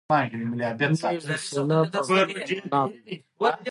نیز د سېلاب او توی په مانا دی.